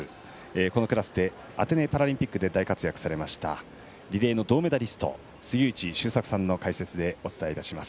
このクラスでアテネパラリンピックで大活躍されましたリレーの銅メダリスト杉内周作さんの解説でお伝えいたします